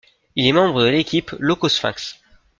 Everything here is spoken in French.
Il est membre de l'équipe Lokosphinx.